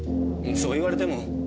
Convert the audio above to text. そう言われても。